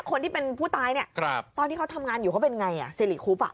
คนที่เป็นผู้ตายเนี่ยตอนที่เขาทำงานอยู่เขาเป็นไงสิริคุบอ่ะ